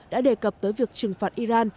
đã đề cập tới việc trừng phạt iran